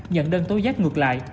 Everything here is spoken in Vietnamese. nhận đơn tối giác ngược lại